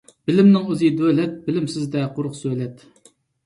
بىلىمنىڭ ئۆزى دۆلەت، بىلىمسىزدە قۇرۇق سۆلەت.